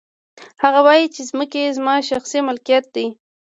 هغه وايي چې ځمکې زما شخصي ملکیت دی